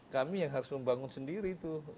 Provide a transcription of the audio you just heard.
kami yang harus membangun sendiri itu